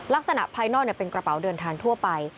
ภายนอกเป็นกระเป๋าเดินทางทั่วไป